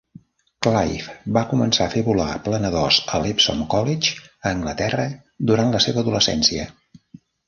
Clive va començar a fer volar planadors a l'Epsom College, a Anglaterra, durant la seva adolescència.